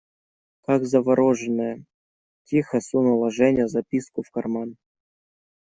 Как завороженная, тихо сунула Женя записку в карман.